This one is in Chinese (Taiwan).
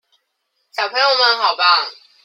小朋友們好棒！